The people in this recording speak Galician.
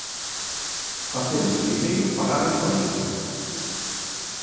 Facemos primeiro parada en Marín.